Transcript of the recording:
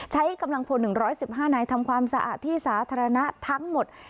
ใช้กำลังพล๑๑๕นายทำความสะอาดที่สาธารณะทั้งหมด